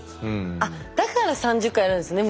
あっだから３０回やるんですね。